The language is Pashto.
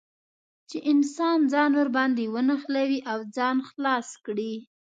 چې انسان ځان ور باندې ونښلوي او ځان خلاص کړي.